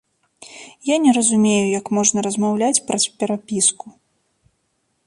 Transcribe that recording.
Я не разумею, як можна размаўляць праз перапіску.